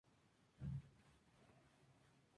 Se encuentra desde el golfo de California hasta Panamá.